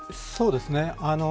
そうですね。